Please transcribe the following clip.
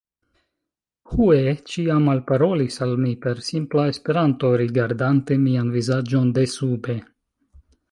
Hue ĉiam alparolis al mi per simpla Esperanto, rigardante mian vizaĝon desube.